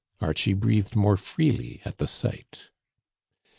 Archie breathed more freely at the sight.